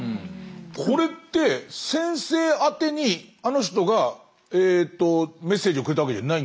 これって先生宛てにあの人がメッセージをくれたわけじゃないんですよね。